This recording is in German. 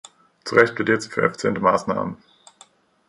Zu Recht plädiert sie für effiziente Maßnahmen.